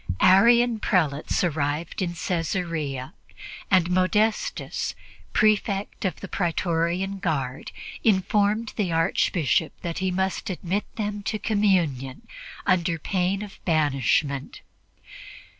Arian prelates arrived in Caesarea, and Modestus, Prefect of the Pretorian Guard, informed the Archbishop that he must admit them to communion under pain of banishment.